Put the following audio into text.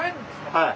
はい。